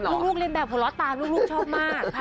ลูกเล่นแบบลูกชอบมาก